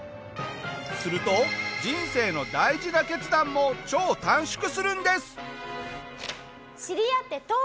すると人生の大事な決断も超短縮するんです。